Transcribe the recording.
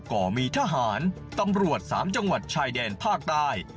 ่อมีทหารตำรวจ๓จังหวัดชายแดนภาคใต้